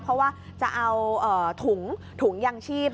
เพราะว่าจะเอาถุงยางชีพ